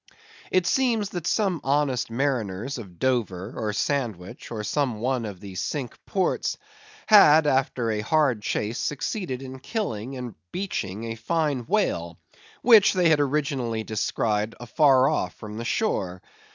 It seems that some honest mariners of Dover, or Sandwich, or some one of the Cinque Ports, had after a hard chase succeeded in killing and beaching a fine whale which they had originally descried afar off from the shore.